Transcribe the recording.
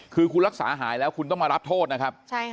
คือคุณรักษาหายแล้วคุณต้องมารับโทษนะครับ